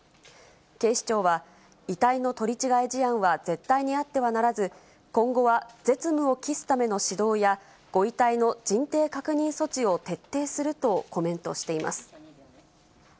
警視庁は遺体の取り違え事案は絶対にあってはならず、今後は絶無を期すための指導やご遺体の人定確認措置を徹底するとコメントしています。